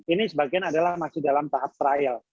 ini sebagian adalah masih dalam tahap trial